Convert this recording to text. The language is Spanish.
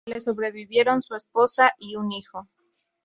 Le sobrevivieron su esposa y un hijo.